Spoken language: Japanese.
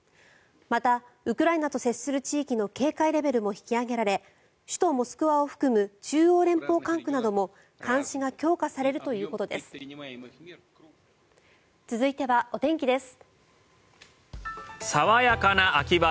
また、ウクライナと接する地域の警戒レベルも引き上げられ首都モスクワを含む中央連邦管区なども監視が強化されるということです。